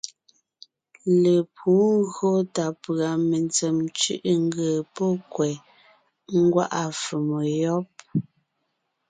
Lepǔ ńgÿo tà pʉ̀a mentsèm cʉ̀ʼʉ ńgee pɔ́ kwɛ̀ ńgwá’a fòmo yɔ́b.